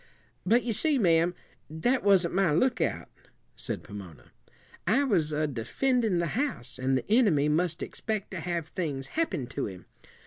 "But you see, ma'am, that wasn't my lookout," said Pomona. "I was a defendin' the house, and the enemy must expect to have things happen to him.